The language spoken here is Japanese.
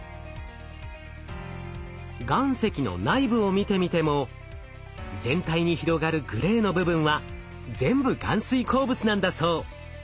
岩石の内部を見てみても全体に広がるグレーの部分は全部含水鉱物なんだそう。